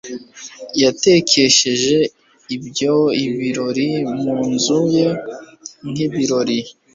yatekesheje iby ibirori mu nzu ye nk ibirori